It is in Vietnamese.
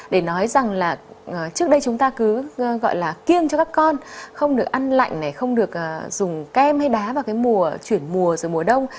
để nói rằng là trước đây chúng ta cứ gọi là kiên cho các con không được ăn lạnh này không được dùng kem hay đá vào cái mùa chuyển mùa rồi mùa đông